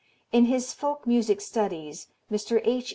In his "Folk Music Studies," Mr. H.